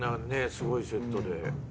すごいセットで。